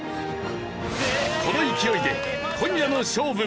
この勢いで今夜の勝負